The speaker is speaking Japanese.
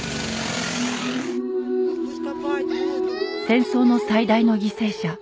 戦争の最大の犠牲者